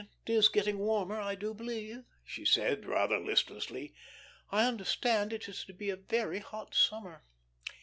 "It is getting warmer, I do believe," she said, rather listlessly. "I understand it is to be a very hot summer."